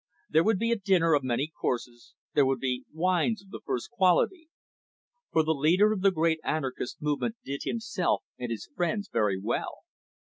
There would be a dinner of many courses, there would be wines of the first quality. For the leader of the great anarchist movement did himself and his friends very well.